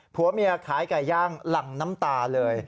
ผัวเมียขายไก่ย่างหลั่งน้ำตาเลย